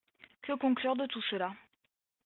Que conclure de tout cela ?